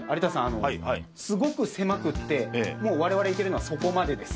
あのすごく狭くてもう我々行けるのはそこまでです。